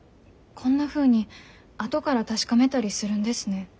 こんなふうに後から確かめたりするんですね。